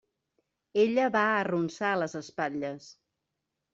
Ella va arronsar les espatlles.